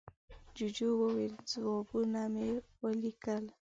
جوجو وویل، ځوابونه مې وليکل.